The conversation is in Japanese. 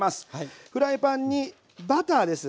フライパンにバターです。